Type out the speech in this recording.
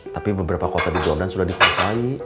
tapi beberapa kota di jordan sudah diperang